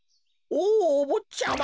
おぉおぼっちゃま！